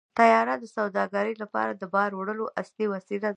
طیاره د سوداګرۍ لپاره د بار وړلو اصلي وسیله ده.